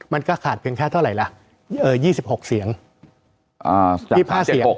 มันก็ขาดเพียงแค่เท่าไหร่ล่ะเอ่อยี่สิบหกเสียงอ่ายี่สิบห้าเสียง